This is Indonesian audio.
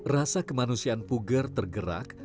rasa kemanusiaan puger tergerak